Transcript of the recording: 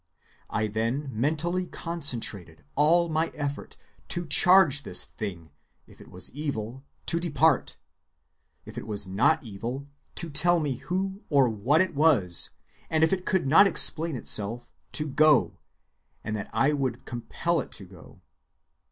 I then mentally concentrated all my effort to charge this 'thing,' if it was evil, to depart, if it was not evil, to tell me who or what it was, and if it could not explain itself, to go, and that I would compel it to go.